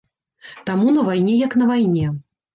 Таму на вайне як на вайне.